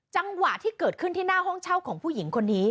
จังหวะที่เกิดขึ้นที่หน้าห้องเช่าของผู้หญิงคนนี้